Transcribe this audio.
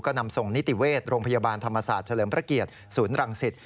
ก็นำส่งนิติเวชโรงพยาบาลธรรมศาสตร์เฉลิมพระเกียรติศูนย์รังสิต